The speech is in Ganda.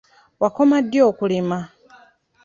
Wakoma ddi okulima?